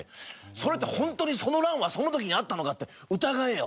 それってホントにその乱はその時にあったのかって疑えよ！